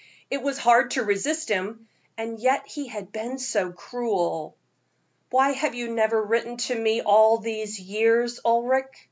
It was hard to resist him, and yet he had been so cruel. "Why have you never written to me all these years, Ulric?"